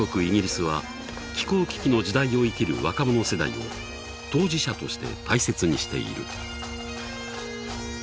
イギリスは気候危機の時代を生きる若者世代を当事者として大切にしている。